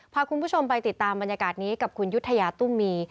พาคุณผู้ชมไปติดตามบรรยากาศนี้กับคุณยุธยาตุ้มมี